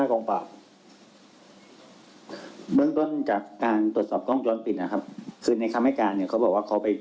กรองศวปของทสพงศ์เมืองอนครปฐมค่ะ